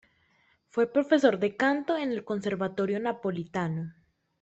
Fue profesor de canto en el conservatorio napolitano.